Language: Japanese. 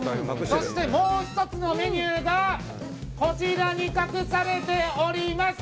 そして、もう１つのメニューがこちらに隠されております。